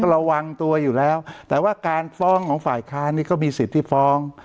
ระวังตัวอยู่แล้วแต่ว่าการฟ้องของฝ่ายค้านนี่ก็มีสิทธิ์ที่ฟ้อง